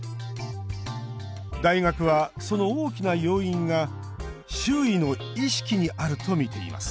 大学は、その大きな要因が周囲の意識にあるとみています